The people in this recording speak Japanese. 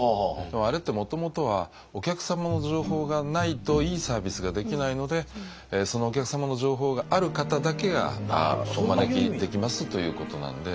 あれってもともとはお客様の情報がないといいサービスができないのでそのお客様の情報がある方だけがお招きできますということなんで。